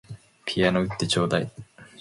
ピアノ売ってちょうだい